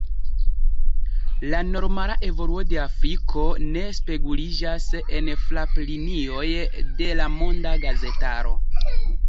La normala evoluo de Afriko ne speguliĝas en fraplinioj de l’ monda gazetaro.